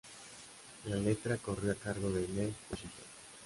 La letra corrió a cargo de Ned Washington.